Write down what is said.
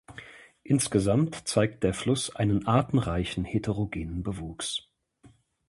Insgesamt zeigt der Fluss einen artenreichen heterogenen Bewuchs.